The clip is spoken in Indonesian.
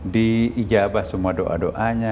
diijabah semua doa doanya